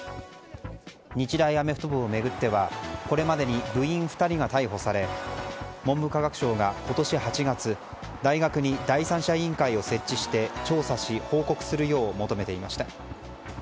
日大アメフト部を巡ってはこれまでに部員２人が逮捕され文部科学省が、今年８月大学に第三者委員会を設置して調査し、報告するよう求めていました。